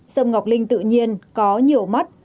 sâm ngọc linh tự nhiên có nhiều mắt